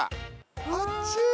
あっちぃ。